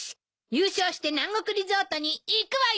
優勝して南国リゾートに行くわよ！